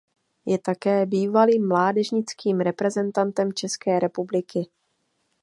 Je také bývalým mládežnickým reprezentantem České republiky.